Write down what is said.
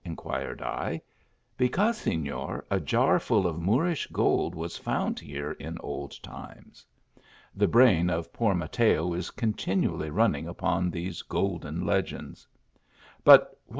" inquired I. " Because, seiior, a jar full of Moorish gold was fc ind here in old times." The brain of poor Mateo s continually running upon these golden legends. " Bu" \\.\a\.